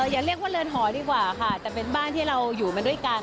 อย่าเรียกว่าเรือนหอดีกว่าค่ะแต่เป็นบ้านที่เราอยู่มาด้วยกัน